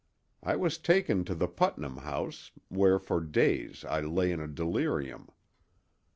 I was taken to the Putnam House, where for days I lay in a delirium.